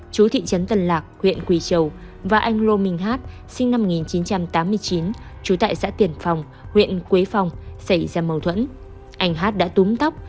chú thị trấn tân lạc huyện quỳ chầu và anh lô minh hát sinh năm một nghìn chín trăm tám mươi chín